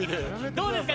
どうですか？